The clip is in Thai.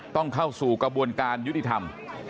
เข้าสู่กระบวนการยุติธรรม